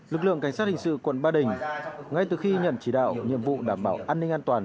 lực lượng cảnh sát hình sự quận ba đình ngay từ khi nhận chỉ đạo nhiệm vụ đảm bảo an ninh an toàn